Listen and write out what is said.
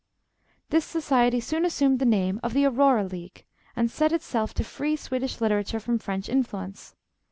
This society soon assumed the name of the Aurora League, and set itself to free Swedish literature from French influence.